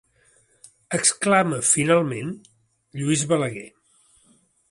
Exclama, finalment, Lluís Balaguer.